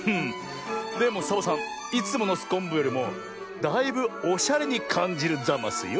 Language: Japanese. でもサボさんいつものすこんぶよりもだいぶおしゃれにかんじるざますよ。